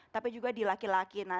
tapi juga di laki laki